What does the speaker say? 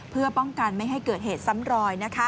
เพื่อป้องกันไม่ให้เกิดเหตุซ้ำรอย